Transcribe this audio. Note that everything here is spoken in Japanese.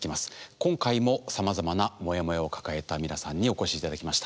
今回もさまざまなモヤモヤを抱えた皆さんにお越し頂きました。